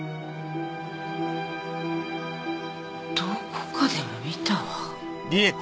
どこかでも見たわ。